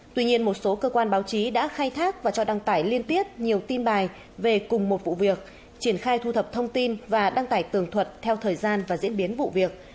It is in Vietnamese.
tuy nhiên một số cơ quan báo chí đã khai thác và cho đăng tải liên tiếp nhiều tin bài về cùng một vụ việc triển khai thu thập thông tin và đăng tải tường thuật theo thời gian và diễn biến vụ việc